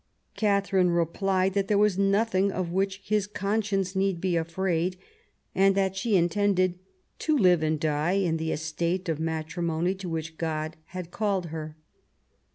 Katharine replied that there was nothing of which his conscience need be afraid, and that she in tended " to live and die in the estate of matrimony to which God had called her."